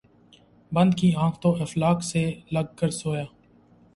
بند کی آنکھ ، تو افلاک سے لگ کر سویا